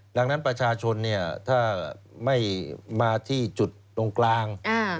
ดังนั้นประชาชนถ้าไม่มาที่จุดตรงกลาง